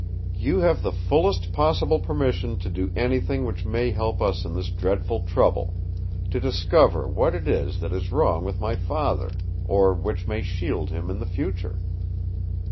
"You have the fullest possible permission to do anything which may help us in this dreadful trouble—to discover what it is that is wrong with my Father, or which may shield him in the future!"